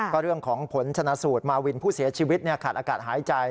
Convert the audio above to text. ก็เรื่องของผลชนะสูตรมาวินผู้เสียชีวิตขาดอากาศหายใจ